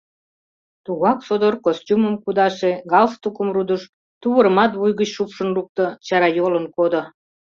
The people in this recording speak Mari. Тугак содор костюмым кудаше, галстукым рудыш, тувырымат вуй гыч шупшын лукто, чарайолын кодо.